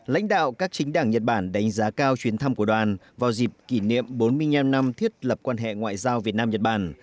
lãnh đạo các chính đảng nhật bản đánh giá cao chuyến thăm của đoàn vào dịp kỷ niệm bốn mươi năm năm thiết lập quan hệ ngoại giao việt nam nhật bản